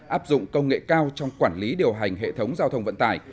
áp dụng công nghệ cao trong quản lý điều hành hệ thống giao thông vận tải